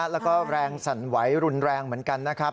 แล้วก็แรงสั่นไหวรุนแรงเหมือนกันนะครับ